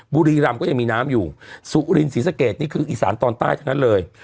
บุรีรำก็ยังมีน้ำอยู่สุรินศรีสะเกดนี่คืออีสานตอนใต้ทั้งนั้นเลย